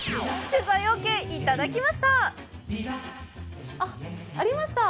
取材ＯＫ、いただきました！